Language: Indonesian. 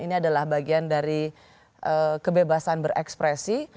ini adalah bagian dari kebebasan berekspresi